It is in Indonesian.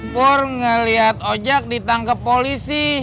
pur ngeliat ojak ditangkep polisi